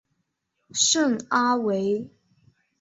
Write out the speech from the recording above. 圣阿维。